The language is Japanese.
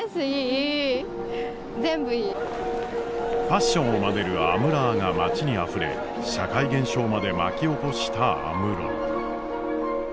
ファッションをまねるアムラーが街にあふれ社会現象まで巻き起こした安室。